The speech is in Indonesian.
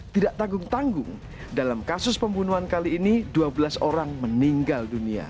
tidak tanggung tanggung dalam kasus pembunuhan kali ini dua belas orang meninggal dunia